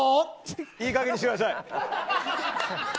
いいかげんにしてください。